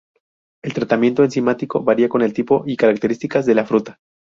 El tratamiento enzimático varía con el tipo y características de la fruta.